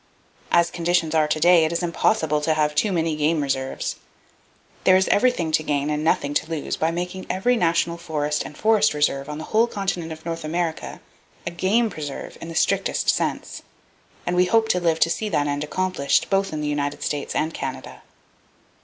As conditions are to day, it is impossible to have too many game reserves! There is everything to gain and nothing to lose by making every national forest and forest reserve on the whole continent of North America a game preserve in the strictest sense, and we hope to live to see that end accomplished, both in the United States and Canada.